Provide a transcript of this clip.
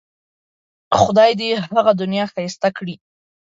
خدای دې یې هغه دنیا ښایسته کړي.